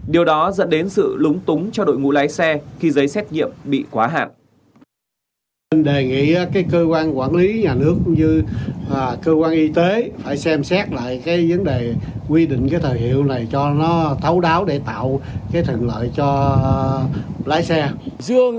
điều đó dẫn đến sự lúng túng cho đội ngũ lái xe khi giấy xét nghiệm bị quá hạn